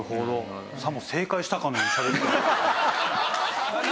さも正解したかのようにしゃべって。